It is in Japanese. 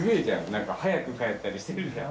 何か早く帰ったりしてるじゃん。